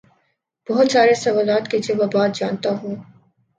بہت سارے سوالات کے جوابات جانتا ہوں